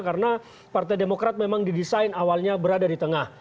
karena partai demokrat memang didesain awalnya berada di tengah